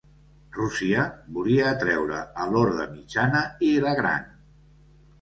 Rússia volia atreure a l'Horda Mitjana i la Gran.